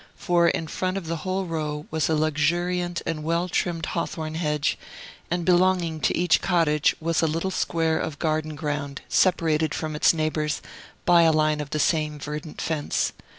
For in front of the whole row was a luxuriant and well trimmed hawthorn hedge, and belonging to each cottage was a little square of garden ground, separated from its neighbors by a line of the same verdant fence.